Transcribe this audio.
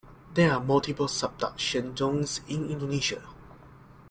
There are multiple subduction zones in Indonesia.